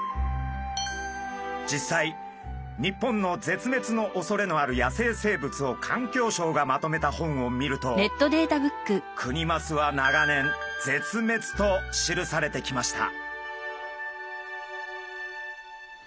実際日本の絶滅のおそれのある野生生物を環境省がまとめた本を見るとクニマスは長年「絶滅」と記されてきました。